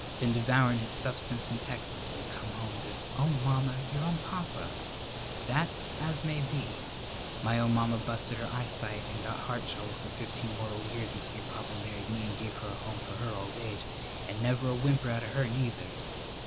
Been devourin' his substance in Texas and come home to " "Oh, Mamma, your own papa!" "That's as may be. My own mamma busted her eyesight and got heart trouble for fifteen mortal years until your papa married me and gave her a home for her old age, and never a whimper out of her, neither.